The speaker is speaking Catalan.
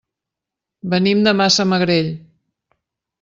Venim de Massamagrell.